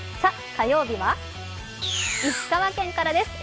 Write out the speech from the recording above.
火曜日は石川県からです。